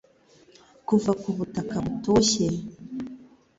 Kuva ku butaka butoshye .